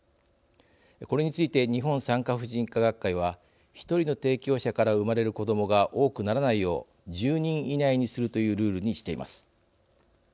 これについて日本産科婦人科学会は１人の提供者から生まれる子どもが多くならないよう１０人以内にするというルールにしています。